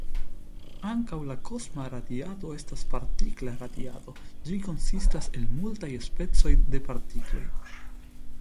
Ankaŭ la kosma radiado estas partikla radiado; ĝi konsistas el multaj specoj de partikloj.